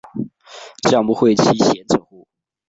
将不讳其嫌者乎？